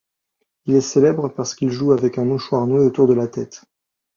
Il est célèbre parce qu’il joue avec un mouchoir noué autour de la tête.